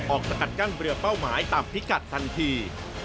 สกัดกั้นเรือเป้าหมายตามพิกัดทันที